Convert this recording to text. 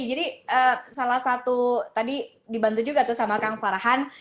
jadi salah satu tadi dibantu juga tuh sama kang farhan